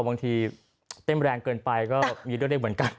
บางทีเต้นแรงเกินไปก็มีตัวเลขเหมือนกัน